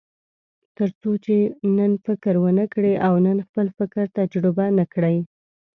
تر څو چې نن فکر ونه کړئ او نن خپل فکر تجربه نه کړئ.